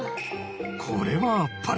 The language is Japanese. これはあっぱれ！